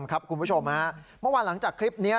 ครับคุณผู้ชมมามาวานหลังจากคลิปนี้